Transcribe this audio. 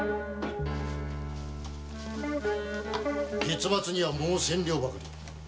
月末にはもう千両ばかり。